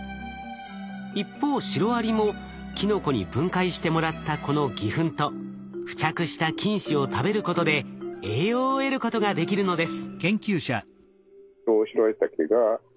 一方シロアリもキノコに分解してもらったこの偽ふんと付着した菌糸を食べることで栄養を得ることができるのです。